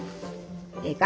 ええか？